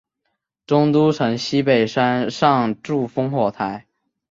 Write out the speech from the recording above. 中都城西北山上筑烽火台。